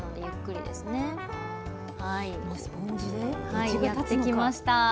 はいやってきました。